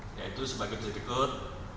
yaitu sebagai berikut